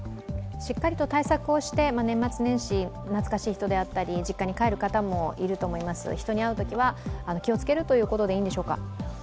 しっかりと対策をして年末年始、懐かしい人であったり、実家に帰る方もいると思います、人に会うときは気をつけるということでいいんでしょうか？